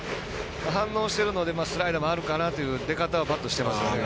反応してるのでスライダーあるかなという出方はバット、してますよね。